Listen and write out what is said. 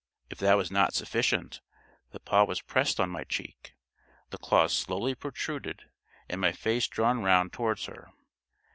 If that was not sufficient, the paw was pressed on my cheek, the claws slowly protruded, and my face drawn round towards her.